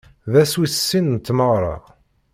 D ass wis sin n tmeɣra.